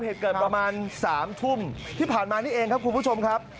เหตุเกิดประมาณ๓ทุ่มที่ผ่านมานี่เองครับคุณผู้ชมครับ